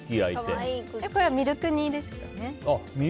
右はミルク煮ですかね。